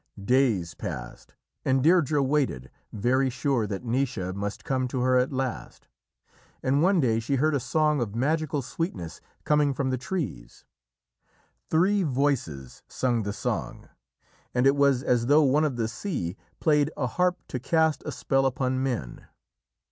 Days passed, and Deirdrê waited, very sure that Naoise must come to her at last. And one day she heard a song of magical sweetness coming through the trees. Three voices sung the song, and it was as though one of the sidhe played a harp to cast a spell upon men.